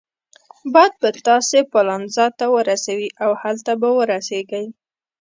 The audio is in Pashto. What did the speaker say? باد به تاسي پالنزا ته ورسوي او هلته به ورسیږئ.